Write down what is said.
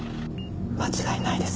間違いないです。